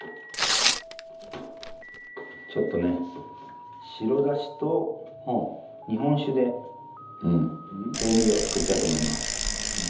ちょっとね白だしと日本酒で調味料を作りたいと思います。